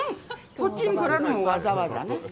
こっちに来られるもんわざわざね。